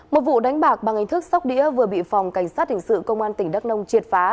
một vụ đánh bạc bằng hình thức sóc đĩa vừa bị phòng cảnh sát hình sự công an tỉnh đắk nông triệt phá